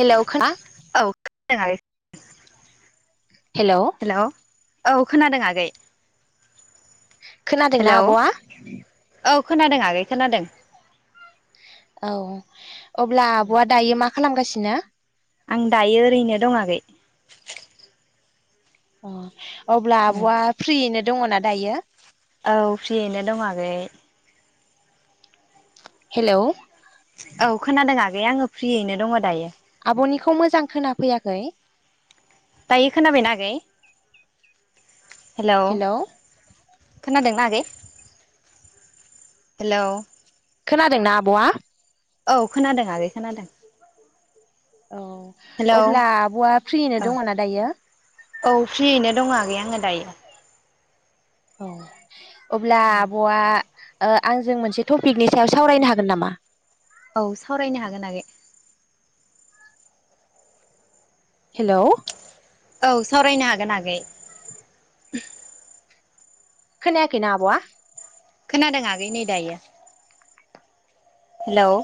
हेल' खानादों ना। ओ। हेल'। औ खोनादों आगै। हेलौ खोनादोंना आब'आ। औ खोनादों आगै खोनादों। औ। अब्ला आब'आ दायो मा। खालामगासिनो। आं दायो ओरैनो दंङ गैया। अ। अब्ला आब'आ फ्रियैनो दंङ ना दायो औ फ्रियैनो दं आगै हेलौ औ खोनादों [unintelligible] आंङो फ्रियैनो दंङ दायो आब'निखौ मोजां खोनाफैयाखै दायो खोनाबायना आगै हेलौ खोनादोंना आगै हेलौ खोनादों ना आब'आ औ खोनादों आगै खोनादों औ हेलौ अब्ला आब'आ फ्रियैनो औ दङना दायो औ फ्रियैनो दंगै आंङो दायो औ अब्ला आब'आ ओ आंजों मोनसे टपिकनि सायाव सावरायनो हागोन नामा औ सावरायनो हागोन आगै हेलौ औ सावरायनो हागोन आगै खोनायाखैना आबआ खोनादों आगै नै दायो हेलौ